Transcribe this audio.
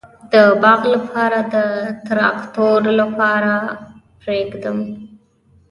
د باغ لپاره د تراکتور لاره پریږدم؟